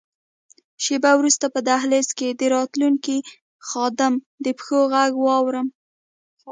شیبه وروسته په دهلېز کې د راتلونکي خادم د پښو ږغ واورم.